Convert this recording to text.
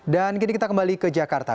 dan gini kita kembali ke jakarta